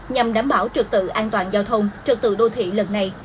nhằm đảm bảo trực tự an toàn giao thông trật tự đô thị lần này